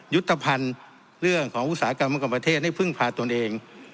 ยุทธภัณฑ์เรื่องของอุตสาหกรรมประกันประเทศให้พึ่งพาตนเอง